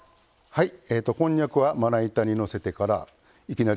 はい。